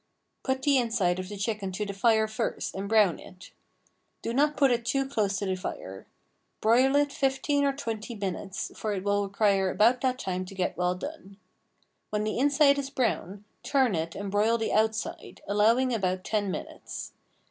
Put the inside of the chicken to the fire first and brown it. Do not put it too close to the fire. Broil it fifteen or twenty minutes, for it will require about that time to get well done. When the inside is brown, turn it and broil the outside, allowing about ten minutes.